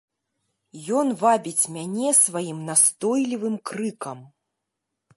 Ён вабіць мяне сваім настойлівым крыкам.